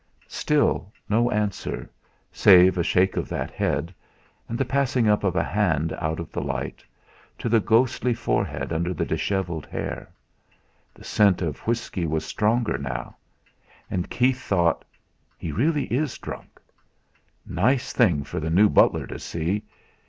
Still no answer, save a shake of that head, and the passing up of a hand, out of the light, to the ghostly forehead under the dishevelled hair. The scent of whisky was stronger now; and Keith thought: '.e really is drunk. Nice thing for the new butler to see!